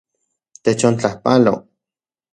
Techontlajpalo.